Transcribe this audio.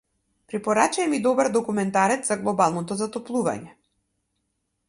Препорачај ми добар документарец за глобалното затоплување.